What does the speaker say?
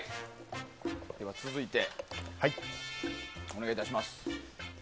では、続いてお願い致します。